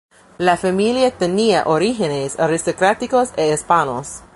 La familia tenía orígenes aristocráticos e hispanos.